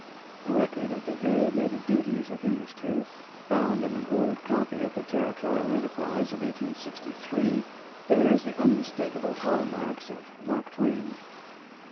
A record of the variegated duties of these two, found in an old copy of the Territorial Enterprise of 1863, bears the unmistakable hallmarks of Mark Twain.